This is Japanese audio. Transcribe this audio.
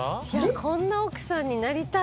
こんな奥さんになりたい。